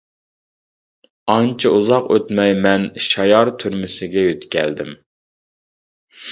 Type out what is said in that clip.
ئانچە ئۇزاق ئۆتمەي مەن شايار تۈرمىسىگە يۆتكەلدىم.